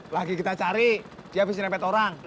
lagi kita cari dia bisa nepet orang